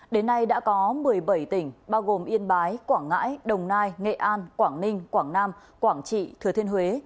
đến nay đã có một mươi bảy tỉnh bao gồm yên bái quảng ngãi đồng nai nghệ an quảng ninh quảng nam quảng trị thừa thiên huế